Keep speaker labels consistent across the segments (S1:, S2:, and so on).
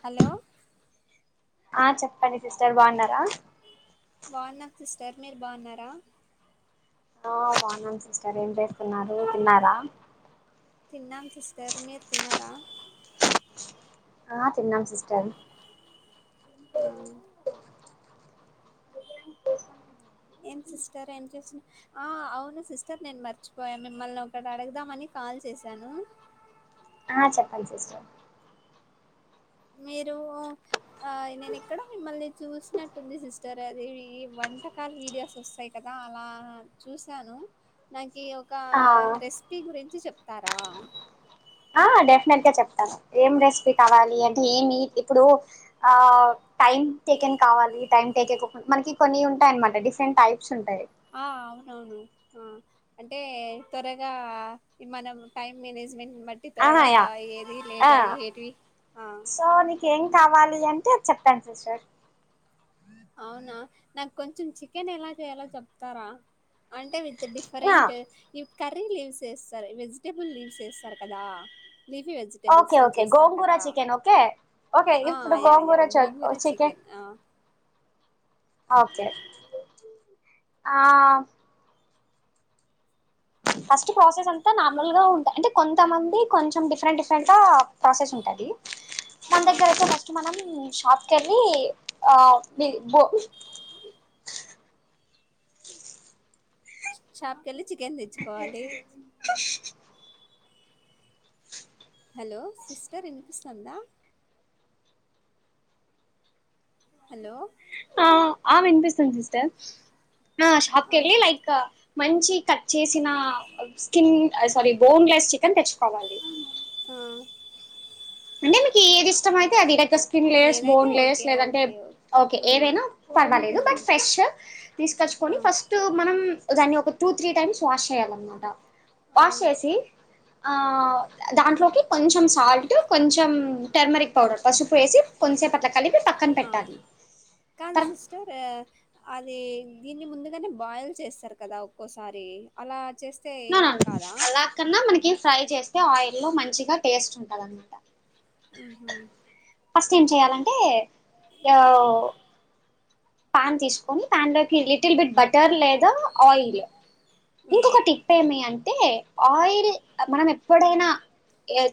S1: Hello
S2: ఆ చెప్పండి sister బావూన్నారా
S1: టర్ మీరు బావున్నారా
S2: ఆ బావున్నాను సిస్టర్ ఏం చేస్తున్నారు తిన్నారా
S1: తిన్నాం సిస్టర్ మీరు తిన్నారా
S2: ఆ తిన్నాం సిస్టర్
S1: ఆ ఏం సిస్టర్ ఏం చేసిన ఆ అవును సిస్టర్ నేను మర్చిపోయా మిమ్మల్ని ఒకటి అడుగుదామని కాల్ చేసాను
S2: ఆ చెప్పండి సిస్టర్
S1: మీరు ఆ నేను ఎక్కడో మిమ్మల్ని చూసినట్టుంది సిస్టర్ అది ఈ వంటకాల వీడియోస్ వస్తాయి కదా అలా చూశాను నాకు ఒక
S2: ఆ
S1: రెసిపీ గురించి చెప్తారా
S2: ఆ డెఫినెట్ గా చెప్తాను ఏం రెసిపీ కావాలి అంటే ఏమి ఇప్పుడు ఆ టైమ్ టేకెన్ కావాలి టైం టేక్ మనకి కొన్ని ఉంటాయి అనమాట డిఫరెంట్ టైప్స్ ఉంటాయి.
S1: ఆ అవునవును ఆ అంటే త్వరగా మనం టైం మేనేజ్మెంట్ బట్టి
S2: ఆహా
S1: త్వరగా
S2: యా
S1: ఏది లేట్
S2: ఆ
S1: అయి ఏటివి ఆ
S2: సో నీకేం కావాలి అని టే చెప్తాను సిస్టర్
S1: అవునా నాకు కొంచెం చికెన్ ఎలా చేయాలో చెప్తారా అంటే విత్
S2: ఆ
S1: డిఫరెంట్ ఇం కర్రీ లీవ్ సేస్తారు వెజిటేబుల్ లివ్స్ సేస్తారు కదా లీఫీ వెజిటేబుల్స్
S2: ఓకే
S1: తో
S2: ఓకే
S1: చేస్తారు
S2: గోంగూర
S1: కదా
S2: చికెన్ ఓకే ఓకే
S1: ఆ
S2: ఇప్పుడు
S1: యా యా
S2: గోంగూర చ
S1: గోంగూర
S2: చికెన్
S1: ఆ
S2: ఓకే ఆ ఫస్ట్ ప్రాసెస్ అంతా నార్మల్గా ఉంటాయి అంటే కొంతమంది కొంచెం డిఫరెంట్ డిఫరెంట్గా ప్రాసెస్ ఉంటది మన
S1: ఆ
S2: దగ్గర అయితే ఫస్ట్ మనం షాప్ కెళ్ళి ఆ ది బో
S1: షాప్ కేళ్ళి చికెన్ తెచ్చుకోవాలి హలో సిస్టర్ ఇనిపిస్తోందా హలో
S2: ఆ ఆ వినిపిస్తోంది సిస్టర్
S1: ఆ
S2: షాప్కేళ్ళి
S1: సిస్టర్
S2: లైక్ మంచి కట్ చేసిన స్కిన్ సారీ బోన్లెస్ చికెన్ తెచ్చుకోవాలి
S1: ఆ
S2: అంటే మీకు ఏది ఇష్టం అయితే అది లేక స్కిన్ లేయర్స్
S1: ఏదైతే
S2: బోన్ లేయర్స్
S1: ఓకే
S2: లేదంటే
S1: ఓకే
S2: ఓకే
S1: ఆ
S2: ఏదైనా పర్వాలేదు
S1: ఉమ్
S2: బట్ ఫ్రెష్
S1: ఆ
S2: తీసుకొచ్చుకొని ఫస్ట్ మనం దాన్ని ఒక టూ త్రీ టైమ్స్ వాష్ చేయాలన్నమాట
S1: ఆ
S2: వాష్ చేసి ఆ దాంట్లోకి కొంచెం సాల్ట్ కొంచెం టెర్మరిక్ పౌడర్ పసుపు వేసి కొంచసేప్ అట్లా కలిపి పక్కన
S1: ఆ
S2: పెట్టాలి
S1: కానీ
S2: తర్
S1: సిస్టర్ అది దీన్ని ముందుగానే బాయిల్ చేస్తారు కదా ఒక్కోసారి అలా చేస్తే
S2: నా
S1: ఏం కాదా
S2: అలాక్కన్నా మనకి కి ఫ్రై చేస్తే ఆయిల్ లో మంచిగా టేస్ట్ ఉంటదనమాట
S1: ఆహా
S2: ఫస్ట్ ఏం చేయాలంటే యో ప్యాన్ తీసుకొని ప్యాన్లోకి లిటిల్ బిట్ బటర్ లేదా ఆయిల్
S1: ఉమ్
S2: ఇంకొక టిప్ ఏమి అంటే ఆయిల్ మనం ఎప్పుడైనా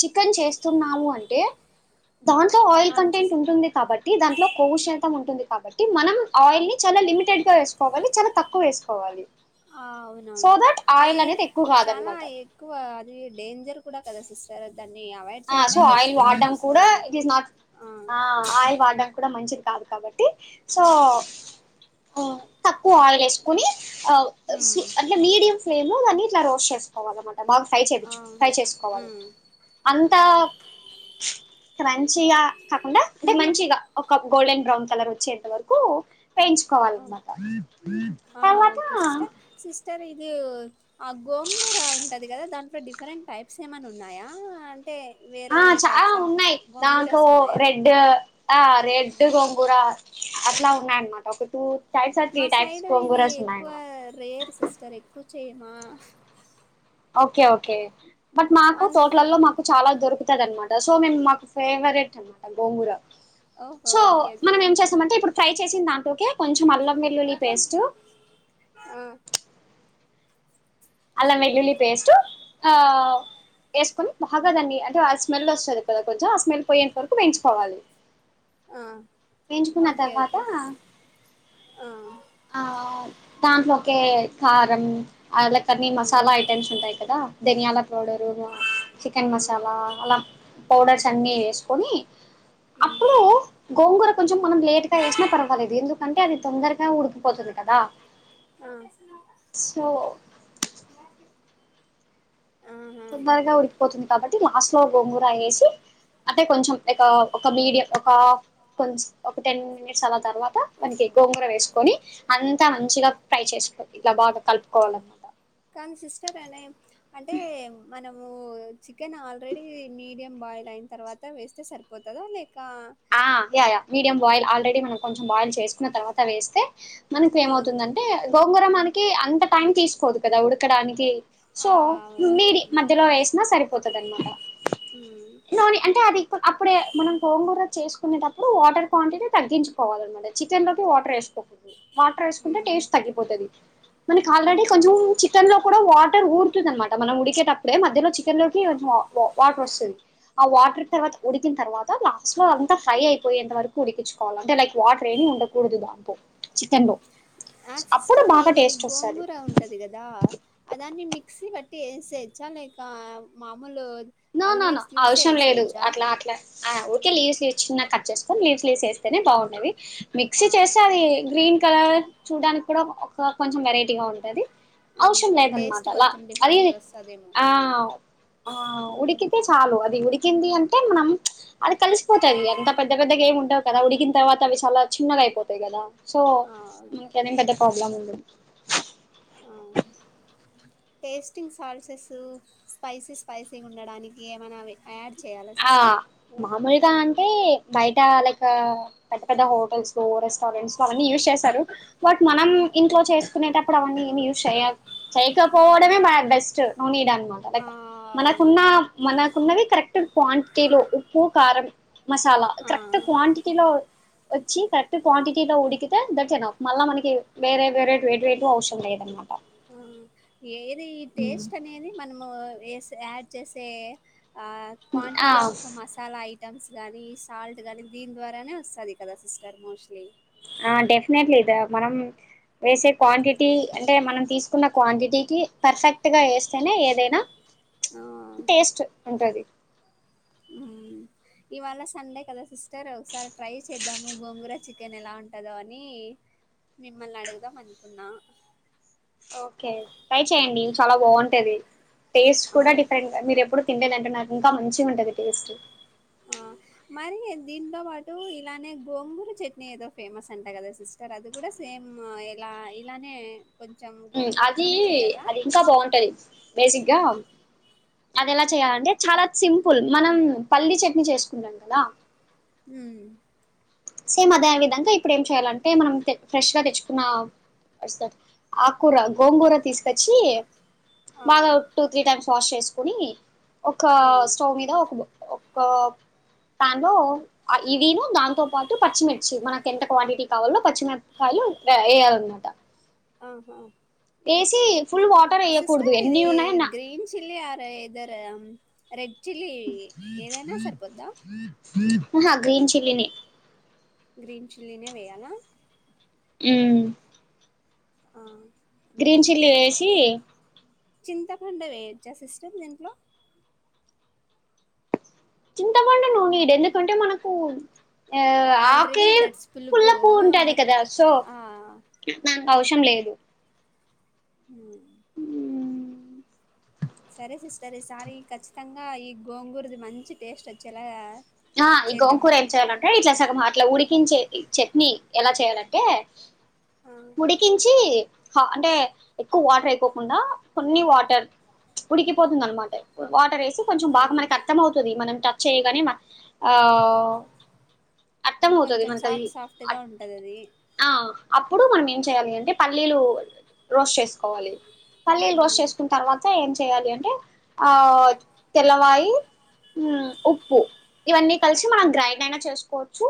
S2: చికెన్ చేస్తున్నాము అంటే దాంట్లో ఆయిల్
S1: ఆ
S2: కంటెంట్
S1: చేస్
S2: ఉంటుంది కాబట్టి దాంట్లో కొవ్వు శతం ఉంటుంది కాబట్టి మనం ఆయిల్ ని చాలా లిమిటెడ్ గా వేసుకోవాలి చాలా తక్కువ వేసుకోవాలి
S1: ఆ
S2: సో
S1: అవునవును
S2: దట్ ఆయిల్
S1: అది
S2: అనేది ఎక్కువ
S1: చాలా
S2: కాదనమాట
S1: ఎక్కువ అది డేంజర్ కూడా కదా సిస్టర్ అది
S2: సో ఆయిల్ వాడడం కూడా ఇట్ ఇస్ నాట్
S1: ఆ
S2: ఆయిల్ వాడ్డా కూడా మంచిది కాదు కాబట్టి సో తక్కువ ఆయిల్ వేసుకుని ఆ సు
S1: ఉమ్
S2: అంటే మీడియం ఫ్లేమ్ లో దాన్ని ఇట్లా రోస్ట్ చేసుకోవాలి మనం బాగా ఫ్రై చేపిచ్చు ఫ్రై
S1: అవును
S2: చేసుకోవాలి
S1: ఉమ్
S2: అంతా క్రంచ్గా కాకుండా అంటే మంచిగా ఒక గోల్డెన్ బ్రౌన్ కలర్ వచ్చేంతవరకు
S1: ఆ
S2: పెంచుకోవాలన్నమాట తర్వాత
S1: సరే ఇది ఆ గోంగూర ఉంటది కదా దాంట్లో డిఫరెంట్ టైప్స్ ఏమైనా ఉన్నాయా వేరే
S2: ఆ
S1: వేరే
S2: చాలా
S1: టైప్స్ ఆఫ్
S2: ఉన్నాయి దాంట్లో
S1: గోంగూరస్ ఉన్నాయా
S2: రెడ్ ఆ రెడ్ డ్ గోంగూర అట్లా ఉన్నాయన్నమాట ఒక టూ టైప్స్ ఆర్ త్రీ
S1: మా
S2: టైప్స్
S1: సైడ్ ఇది
S2: గోంగూరస్
S1: ఎక్కువ
S2: ఉన్నాయన్నమాట
S1: రేర్ సిస్టర్ ఎక్కువ చేయమా
S2: ఓకే ఓకే బట్ మాకు
S1: అన్
S2: తోట్లల్లో మాకు చాలా దొరుకు తదనమాట సో మేమ్ మాకు ఫేవరెట్ అనమాట గోంగూర
S1: ఓహో
S2: సో
S1: ఓకే ఓకే
S2: మనం ఏం చేసామంటే ఇప్పుడు ఫ్రై చేసిన దాంట్లోకే కొంచెం అల్లం వెల్లుల్లి పేస్టు
S1: అ!
S2: అలా వెల్లుల్లి పేస్ట్ ఆ... ఎసుకొని బాగా దాన్ని అంటే ఆ స్మెల్ వస్తది కద కొంచెం ఆ స్మెల్ పోయేంత వరకు వెంచుకోవాలి
S1: ఆ
S2: వెంచుకున్న
S1: ఓకే
S2: తర్వాత
S1: ఓకే సిస్- ఆ..
S2: ఆ దాంట్లోకే కారం ఆళ్ళకన్ని
S1: మ్మ్
S2: మసాలా ఐటెమ్స్ ఉంటాయి కదా ధనియాల పౌడరు
S1: ఆ
S2: చికెన్ మసాలా అలా పౌడర్స్ అన్ని వేసుకొని
S1: హ్మ్
S2: అప్పుడు గోంగూర కొంచెం మనం లేట్ గా వేసినా పర్వాలేదు ఎందుకంటే అది తొందరగా ఉడికిపోతది కదా
S1: అ
S2: సో తొందరగా ఉడికిపోతుంది కాబట్టి లాస్ట్ లో గోంగూర వేసి అంటే కొంచెం ఒక ఒక మీడియం చాలా తర్వాత వన్కే గోంగూర వేసుకొని అంతా మంచిగా ఫ్రై చేసుకో ఇట్లా బాగా కలుపుకోవాలన్నమాట
S1: అన్ సిస్టర్ అనే అంటే వన్ మనము చికెన్ ఆల్రెడీ మీడియం బాయిల్ అయిన తర్వాత వేస్తే సరిపోతదా లే
S2: ఆ yeah yeah medium boil already మనం కొంచెం బాయిల్ చేసుకున్న తర్వాత వేస్తే మనకి
S1: ఆ
S2: ఏమవుతుందంటే గోంగూర మనకి అంత టైం తీసుకోదు కదా ఉడకడానికి సో
S1: ఆ
S2: మీడి
S1: అవునవును
S2: మధ్యలో వేసినా సరిపోతది అనమాట
S1: హ్మ్
S2: నోని అంటే అది ఇక్ అప్పుడే మనం గోంగూర చేసుకునేటప్పుడు వాటర్ క్వాంటిటీ తగ్గించుకోవాలన్నమాట చికెన్ లోకి వాటర్ వే వాటర్ ఎసుకుంటే
S1: హ్మ్
S2: టేస్ట్ తగ్గిపోతది మనకి ఆల్రెడీ
S1: ఆహా
S2: కొంచెం చికెన్ లో కూడా వాటర్ ఊరుతుంది అనమాట మనం ఉడికేటప్పుడే మధ్యలో చికెన్ లోకి వాటర్ వస్తది ఆ వాటర్ తర్వాత ఉడికిన తర్వాత లాస్ట్ లో అంతా ఫ్రై అయిపోయేంత వరకు ఉడికించుకోవాలి అంటే లైక్ వాటర్ ఏం ఉండకూడదు దాంట్లో చికెన్లో
S1: ఆ సిస్టరే ఇది గోంగూర ఉంటది కదా అ దాన్ని మిక్సీ బట్ ఏసేచ్చ లేక మామోలు
S2: నో నో అవసరం లేదు అట్ల అట్ల ఓకే లీవ్స్ ఎచ్చున్న కట్ చేసుకొన్ లీవ్స్ లెస్ ఎస్తేనే బాగున్నది
S1: ఆ
S2: మిక్సీ చేస్తే అది గ్రీన్ కలర్ చూడ్డానికి కూడా ఒక కొంచెం వెరైటీగా ఉంటది
S1: ఆ
S2: అవసరం
S1: టేస్ట్
S2: లేదన్నమాట ల
S1: కొంచెం
S2: అది
S1: డిఫరెంట్ వస్తదేమో
S2: ఆ ఆ
S1: హ్మ్
S2: ఉడికితే చాలు అది ఉడి కింది అంటే మనం అది కలిసిపోతది అంత పెద్ద పెద్దగా ఏమి ఉండవు కదా ఉడికిన తర్వాత అవి చాల చిన్నగా అయిపోతాయి కదా సో
S1: ఆ
S2: ఇంక
S1: ఓకే
S2: అదేం పెద్ద ప్రాబ్లం ఉండదు
S1: అవును టేస్టింగ్ సాల్సెసు స్పైసీ స్పైసీ ఉండడానికి ఏమైనా అవి యాడ్ చేయాలా
S2: హా
S1: సిస్టర్
S2: మామూలుగా అంటే బయట లేక పెద్ద పెద్ద హోటల్స్లో రెస్టారెంట్స్ అవన్ని యూస్ చేశారు బట్ మనం ఇంట్లో చేసుకునేటప్పుడు అవన్నీ ఏమి యూస్ చేయ చేయకపోవడమే బ బెస్ట్ నీడాన్ని
S1: ఆ
S2: మనకున్న
S1: అవునవును
S2: మనకున్నవి కరెక్ట్ క్వాంటిటీలో ఉప్పు కారం మసాలా
S1: ఆ
S2: కరెక్ట్ క్వాంటిటీలో వచ్చి కరెక్ట్ క్వాంటిటీలో ఉడికితే థట్స్ఎనఫ్ మళ్ళా మనకి వేరే వేరే వేడి వేడిగా అవసరం లేదన్నమాట
S1: ఆ ఏది టేస్ట్ అనేది మనము ఏసీ యాడ్ చేసే ఆ క్వాంటిటీ
S2: ఆ
S1: ఆఫ్ మసాలా ఐ ఐటమ్స్ కానీ సాల్ట్ గానీ దీని ద్వారానే వస్తుంది కదా సిస్టర్ మోస్ట్లీ
S2: ఆ డెఫినెట్లీ ఇద మనం వేసే క్వాంటిటీ అంటే మనం తీసుకున్న క్వాంటిటీకి పర్ఫెక్ట్ గా వేస్తేనే ఏదైనా
S1: ఆ
S2: టేస్ట్ ఉంటది
S1: ఉ ఇవాళ సండే కదా సిస్టర్ ఒకసారి ట్రై చేద్దాము గోంగుర చికెన్ ఎలా ఉంటదో అని మిమ్మల్ని అడుగుదాం అనుకున్నా
S2: ఓకే ట్రై చెయండి చాలా బాగుంటది టేస్ట్ కూడా
S1: ఆ
S2: డిఫరెంట్ మీరు ఎప్పుడు తినలేను అంటున్నారు ఇంకా మంచిగ ఉంటది టేస్ట్
S1: ఆ మరి దీంతో పాటు ఇలానే గోంగూర చట్నీ ఏదో ఫేమస్ అంట కదా సిస్టర్ అది కూడా సేమ్ మేము ఇలా ఇలానే కొంచెం
S2: అది
S1: గోంగూరతోనే చేయాలా
S2: అది ఇంకా బాగుంటది బేసిక్గా అది ఎలా చేయాలంటే చాలా సింపుల్ మనం పల్లీ చట్నీ చేసుకుంటాం కదా
S1: ఉ
S2: సేమ్ అదే విధంగా ఇప్పుడు ఏం చేయాలంటే మనం ఫ్రెష్ గా తెచ్చుకున్న ఆకుకూర గోంగూర తీసుకొచ్చి
S1: ఆ
S2: బాగా టూ త్రీ టైమ్స్ వాష్ చేసుకుని ఒక
S1: ఆ
S2: స్టవ్ మీద ఒక ఒక పాన్లో ఇదిను దాంతో పాటు పచ్చిమిర్చి మనకి ఎంత క్వాంటిటీ కావాలో పచ్చిమిరపకాయలు వేయాలన్నమాట
S1: ఆహా
S2: వేసి ఫుల్ వాటర్ వేయకూడదు
S1: సిస్టర్
S2: ఎన్ని
S1: ఇది
S2: ఉన్నాయన్న
S1: green chilli or either red chilli ఏదైనా సరిపోద్దా
S2: అహా గ్రీన్ చిల్లీనే
S1: గ్రీన్ చిల్లీనే వేయాల
S2: ఉమ్
S1: ఆ
S2: గ్రీన్ చిల్లీ వేసి
S1: చింతపండు వేయొచ్చా సిస్టర్ దీంట్లో
S2: చింతపండు నో నీడ్ ఎందుకంటే మనకు ఆ
S1: ఆల్రెడీ
S2: ఆకే
S1: దట్స్ పులుపు
S2: పుల్లపూ ఉంటది కదా సో
S1: ఆ
S2: అవసరం లేదు
S1: ఉమ్ సరే సిస్టర్ ఈ సారి ఖచ్చితంగా ఈ గోంగూరది మంచి టేస్ట్ వచ్చేలా
S2: ఆ ఈ గోంకూర
S1: చేద్దాము
S2: ఏం చేయాలంటే ఇట్లా సగం అట్లా ఊడికి ఉడికించే చట్నీ ఎలా చేయాలంటే
S1: ఆ
S2: ఉడికించి అంటే ఎక్కువ వాటర్ అయిపోకుండా కొన్ని వాటర్ ఉడికిపోతుంది అన్నమాట వాటర్ వేసి కొంచెం
S1: ఆ
S2: బాగా మనకి అర్థం అవుతది మనం టచ్ చేయగానే ఆ అర్థంమవుతది
S1: కొంచెం
S2: మనకది
S1: సాఫ్ట్ సాఫ్ట్గా ఉంటది అది
S2: ఆ అప్పుడు మన ఏం చేయాలింటే పల్లీలు రోస్ట్ చేసుకోవాలి. పల్లీలు రోస్ట్
S1: ఉమ్
S2: చేకున్న తరువాత ఏం చేయాలి అంటే ఆ తెల్లవాయి ఉ ఉప్పు ఇవన్నీ కలిసి మనం గ్రైండ్ అయినా చేసుకోవచ్చు.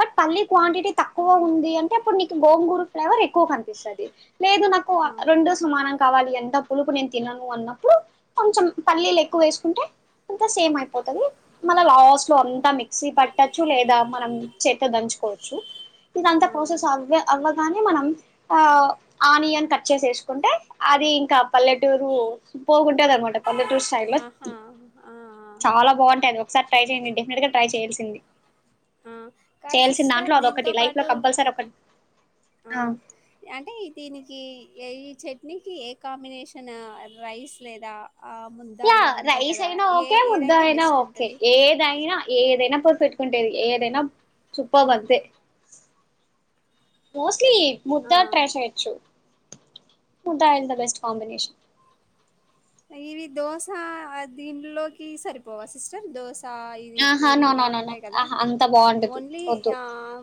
S2: బట్ పల్లి క్వాంటిటీ తక్కువ ఉంది అంటే ఇప్పుడు నీకు గోంగూర ఫ్లేవర్ ఎక్కువ కనిపిస్తది, లేదు నాకు
S1: ఆ
S2: రెండు సమానంగా కావాలంటే ఆ పులుపు నేను తినను. కొన్నప్పుడు కొంచెం పల్లిలు ఎక్కువ వేసుకుంటే అంత సెమ్ అయిపోతది మళ్ళా లాస్ట్ సో అంతా మిక్సీ పట్టొచ్చు, లేదా మనం చేత దంచుకోవచ్చు. ఇదంతా
S1: ఆ
S2: ప్రాసెస్ అవ్వె అవ్వగానే మనం ఆ ఆనియన్ కట్చేసి ఏసుకుంటే అది ఇంకా పల్లెటూరు పోగుంటది అనమాట పల్లెటూరు స్టై లో
S1: ఆహా ఆ
S2: చాలా బావుంటాయి అది ఒకసారి ట్రై చేయండి. డెఫినెట్ గా ట్రై చేయాల్సింది.
S1: ఆ కాదు
S2: చేయాల్సిన
S1: సిస్టర్
S2: దాంట్లో
S1: దీంతో
S2: అదొకటి లైఫ్ లో
S1: పాటు
S2: కంపల్సరీ ఒకటి
S1: ఆ అంటే దీనికి ఏ ఈ చట్నీకి ఏ కాంబినేషన రైస్ లేదా? ఆ ముద్ద
S2: యా
S1: ఇలా ఉంటాయి
S2: రైస్
S1: కదా
S2: అయినా
S1: ఏ
S2: ఓకే, ముద్ద
S1: ఏదైతే
S2: అయినా
S1: బెస్ట్
S2: ఓకే
S1: ఉంటది
S2: ఏదైనా ఏదైనా తోస్ పెట్కుంటేది ఏదైనా సుప్పాబ్ అంతే మోస్ క్లి
S1: ఆ
S2: ముద్దా ట్రై చేయచ్చు ఉంటాయంట బెస్ట్ కాంబినేషన్
S1: ఇవి దోశ దీంట్లోకి సరిపోవా సిస్టర్ దోశ సా ఇది
S2: ఆహా
S1: పూరి
S2: నో నో
S1: ఇలా
S2: నో నో
S1: ఉంటాయి కదా
S2: ఆహా అంత బాగుండదు
S1: ఓన్లీ ఆ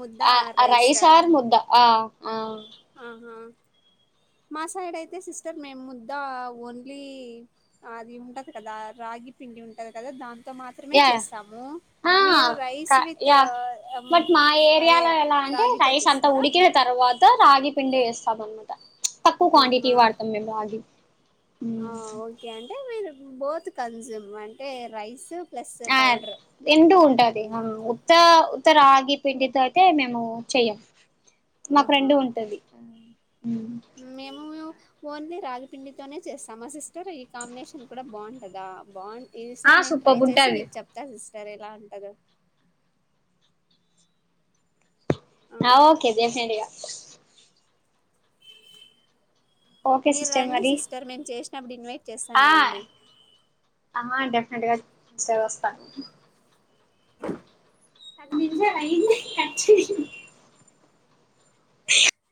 S1: ముద్ద రైస్
S2: ఆరు ముద్ద ఆ అ
S1: ఆహా మా సైడ్ అయితే సిస్టర్ మేము ముద్ద ఓన్లీ అది ఉంటది కదా రా ఆగి పిండి ఉంటది కదా దా ముద్ద మాత్రమే
S2: యా
S1: చేస్తాము.
S2: ఆ
S1: మీరు రైస్
S2: క
S1: విత్
S2: యా
S1: అమ్
S2: బట్ మా
S1: అదే
S2: ఏరియాలో ఎలా అంటే
S1: రాగితో
S2: రైస్ అంతా
S1: చేస్తారా
S2: ఉడికిన తర్వాత రాగి పిండి వేస్తాం అనమాట చ్ తక్కువ క్వాంటిటీ
S1: ఆహా
S2: వాడతాం మేము బగి
S1: ఆ ఓకే అంటే మీరు బోత్ కన్జూమ్ అంటే రైస్ ప్లస్
S2: ఆ
S1: పౌడర్
S2: ఎంటూ ఉంటది అమ్ ఉత్త త్త రాగి పిండితో అయితే మేము చెయ్యం మాకు
S1: ఆహా
S2: రెండు ఉంటది
S1: మేము ఓన్లీ రాగిపిండితోనే చేస్తామా సిస్టర్ ఈ కాంబినేషన్ కూడా బావుంటదా బా
S2: ఆ
S1: ఈదిసార్ నేను ట్రై
S2: సూపర్బ్
S1: చేసి
S2: ఉంటది
S1: నీకు చెప్తా సిస్టర్ ఎలా ఉంటదో ఆ
S2: నా ఓకే డెఫనెంట్ గా ఓకే
S1: మీరు
S2: సిస్టర్
S1: రండి
S2: మరి
S1: సిస్టర్ మేము చేసినప్పుడు ఇన్వె
S2: ఆ అమ్మ డెఫెట్గాస్తాగా సిస్టర్ వస్తా
S1: పది నిమిషాలాలైంది హి కచ్చ